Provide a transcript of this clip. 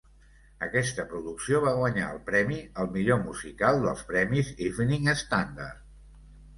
Aquesta producció va guanyar el premi al millor musical dels premis Evening Standard.